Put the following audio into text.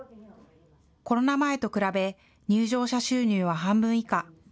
コロナ前と比べ、入場者収入は半分以下。